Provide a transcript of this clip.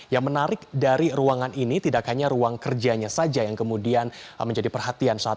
yang menarik dari ruangan ini tidak hanya ruang kerjanya saja yang kemudian menjadi perhatian